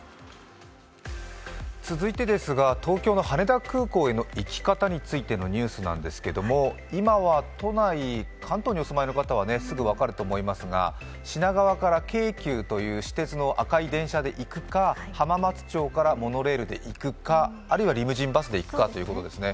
続いてですが東京の羽田空港への行き方についてのニュースなんですけど今は都内、関東にお住まいの方はすぐ分かると思いますが品川から京急という私鉄の赤い電車で行くか、浜松町からモノレールで行くかあるいはリムジンバスで行くかということですね。